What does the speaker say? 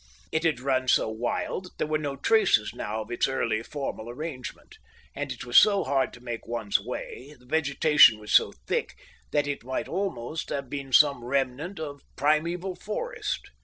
It had run so wild that there were no traces now of its early formal arrangement; and it was so hard to make one's way, the vegetation was so thick, that it might almost have been some remnant of primeval forest.